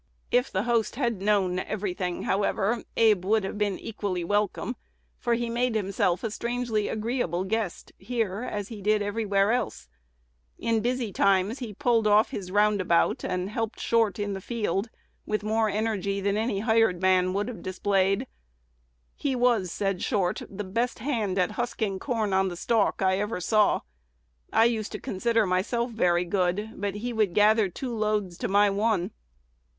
If the host had known every thing, however, poor Abe would have been equally welcome; for he made himself a strangely agreeable guest here, as he did everywhere else. In busy times he pulled off his roundabout, and helped Short in the field with more energy than any hired man would have displayed. "He was," said Short, "the best hand at husking corn on the stalk I ever saw. I used to consider myself very good; but he would gather two loads to my one."